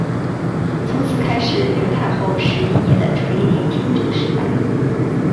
从此开始刘太后十一年的垂帘听政时代。